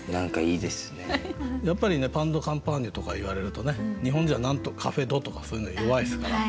やっぱりパン・ド・カンパーニュとか言われるとね日本人は何と「カフェ・ド」とかそういうの弱いですから。